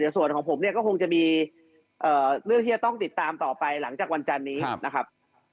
ส่วนของผมเนี่ยก็คงจะมีเรื่องที่จะต้องติดตามต่อไปหลังจากวันจันนี้นะครับ